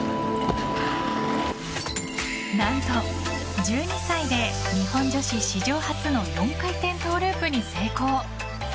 何と１２歳で日本女子史上初の４回転トゥループに成功。